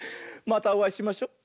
またおあいしましょ。